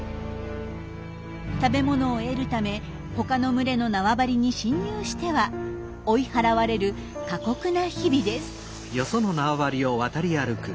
食べ物を得るため他の群れの縄張りに侵入しては追い払われる過酷な日々です。